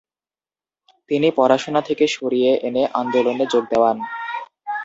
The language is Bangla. তিনি পড়াশুনা থেকে সরিয়ে এনে আন্দোলনে যোগ দেওয়ান।